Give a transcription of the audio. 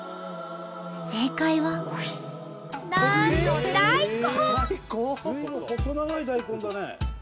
正解はなんとずいぶん細長い大根だね。